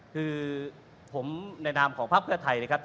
คือผมในนามของภาคเพื่อไทยนะครับ